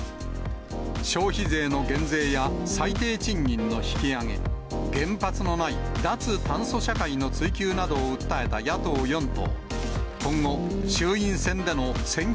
消費税の減税や最低賃金の引き上げ、原発のない脱炭素社会の追求などを訴えた野党４党。